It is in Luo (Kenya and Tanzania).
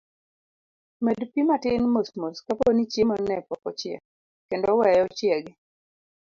Med pii matin mos mos kaponi chiemo ne pok ochiek, kendo weye ochiegi.